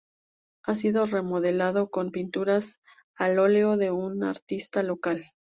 Ha sido remodelado con pinturas al óleo de un artista local.